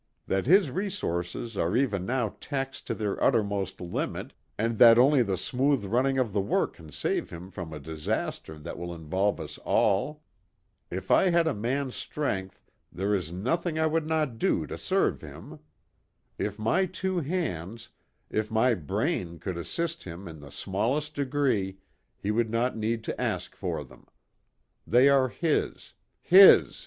That his resources are even now taxed to their uttermost limit, and that only the smooth running of the work can save him from a disaster that will involve us all. If I had a man's strength there is nothing I would not do to serve him. If my two hands, if my brain could assist him in the smallest degree, he would not need to ask for them. They are his his!"